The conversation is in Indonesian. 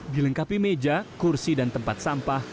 dilengkapi meja kursi dan tempat sampah